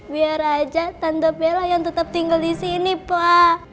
biar aja tante bela yang tetap tinggal di sini pak